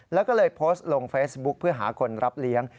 แล้วก็เลยโพสต์ลงเฟซบุ๊คเพื่อหาคนรับเลี้ยง